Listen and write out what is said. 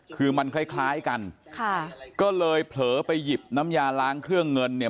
คือมันคล้ายคล้ายกันค่ะก็เลยเผลอไปหยิบน้ำยาล้างเครื่องเงินเนี่ย